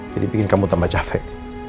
jadi bikin kamu tambah capek